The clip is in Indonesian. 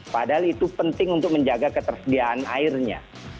padahal itu penting untuk menjaga ketersediaan airnya